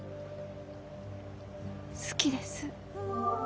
好きです。